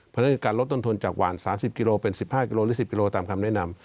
เพราะฉะนั้นการลดต้นทุนจากหวาน๓๐กิโลเป็น๑๕กิโลหรือ๑๐กิโลตามคำแนะนำ